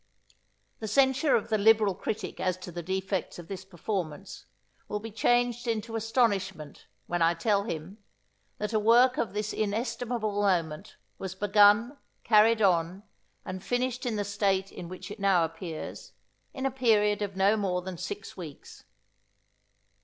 The censure of the liberal critic as to the defects of this performance, will be changed into astonishment, when I tell him, that a work of this inestimable moment, was begun, carried on, and finished in the state in which it now appears, in a period of no more than six weeks.